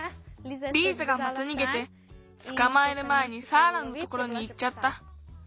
リーザがまたにげてつかまえるまえにサーラのところにいっちゃった。